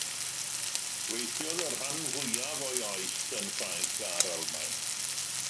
Gweithiodd y rhan fwyaf o'i oes yn Ffrainc a'r Almaen.